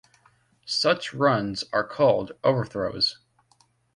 Such runs are called overthrows.